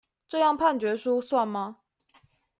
這樣判決書算嗎？